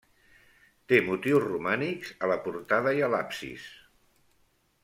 Té motius romànics a la portada i a l'absis.